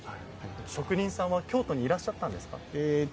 職人さんは京都にいらっしゃったんですか？